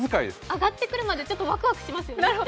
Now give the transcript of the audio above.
上がってくるまでちょっとワクワクしますね。